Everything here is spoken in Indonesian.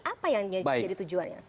apa yang jadi tujuannya